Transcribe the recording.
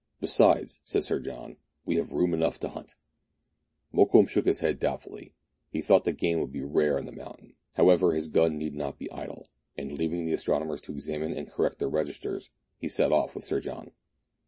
"Besides," said Sir John, "we have room enough to hunt." Mokoum shook his head doubtfully : he thought that game would be rare on the mountain. However, his gun need not be idle, and leaving the astronomers to examine and correct their registers, he set off with Sir John.